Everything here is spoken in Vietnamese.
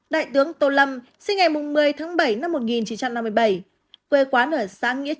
đại tướng tô lâm sinh ngày một mươi tháng bảy năm một nghìn chín trăm năm mươi bảy quê quán ở xã nghĩa